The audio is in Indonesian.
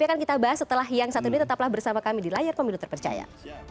akan kita bahas setelah yang satu ini tetaplah bersama kami di layar pemilu terpercaya